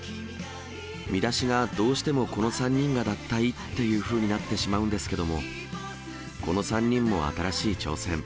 見出しがどうしてもこの３人が脱退っていうふうになってしまうんですけれども、この３人も新しい挑戦。